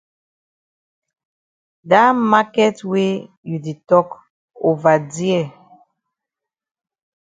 Dat maket wey you di tok ova dear.